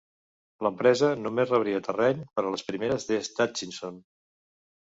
L'empresa només rebria terreny per a les primeres des d'Atchison.